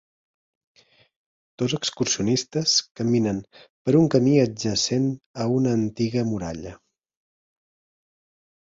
Dos excursionistes caminen per un camí adjacent a una antiga muralla.